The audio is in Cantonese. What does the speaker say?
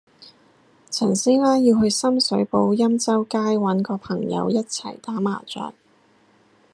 陳師奶要去深水埗欽州街搵個朋友一齊打麻雀